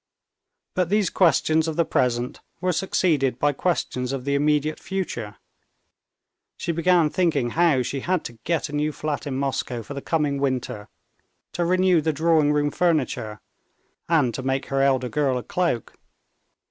But these questions of the present were succeeded by questions of the immediate future. She began thinking how she had to get a new flat in Moscow for the coming winter, to renew the drawing room furniture, and to make her elder girl a cloak.